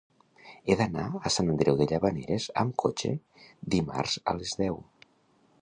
He d'anar a Sant Andreu de Llavaneres amb cotxe dimarts a les deu.